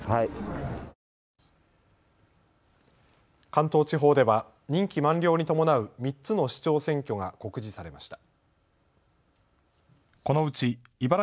関東地方では任期満了に伴う３つの市長選挙が告示されました。